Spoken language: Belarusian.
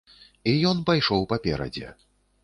І ён пайшоў паперадзе.